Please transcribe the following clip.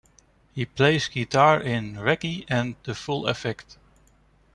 He plays guitar in Reggie and the Full Effect.